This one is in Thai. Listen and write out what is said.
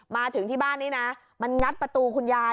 มาถึงที่บ้านนี้นะมันงัดประตูคุณยาย